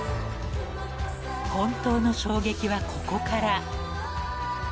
［本当の衝撃はここから］